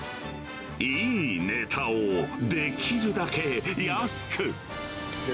いいネタをできるだけ安く。